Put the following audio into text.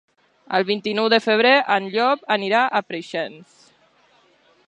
El vint-i-nou de febrer en Llop anirà a Preixens.